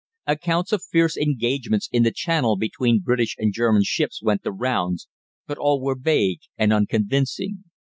Accounts of fierce engagements in the Channel between British and German ships went the rounds, but all were vague and unconvincing.